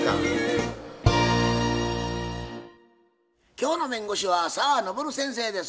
今日の弁護士は澤登先生です。